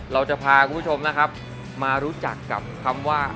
เราจะพาคุณผู้ชมนะครับมารู้จักกับคำว่า